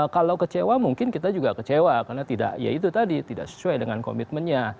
kalau kecewa mungkin kita juga kecewa karena tidak ya itu tadi tidak sesuai dengan komitmennya